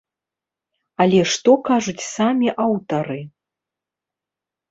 Але што кажуць самі аўтары?